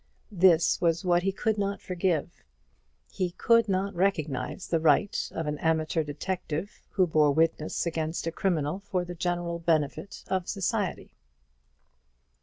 This was what he could not forgive. He could not recognize the right of an amateur detective, who bore witness against a criminal for the general benefit of society.